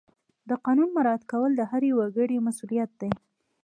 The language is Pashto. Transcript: د قانون مراعات کول د هر وګړي مسؤلیت دی.